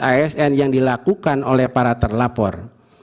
asn yang dilakukan oleh para terlapor